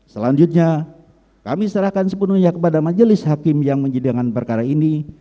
selanjutnya kami serahkan sepenuhnya kepada majelis hakim yang menyidangkan perkara ini